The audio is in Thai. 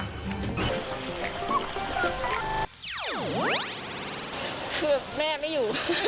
คือแม่ไม่อยู่